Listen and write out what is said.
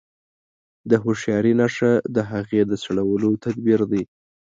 د هوښياري نښه د هغې د سړولو تدبير دی.